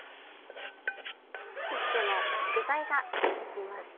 キッシュの具材が出来ました。